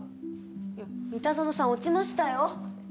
いや三田園さん落ちましたよ。